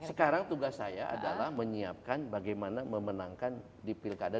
sekarang tugas saya adalah menyiapkan bagaimana memenangkan di pilkada dua ribu dua puluh empat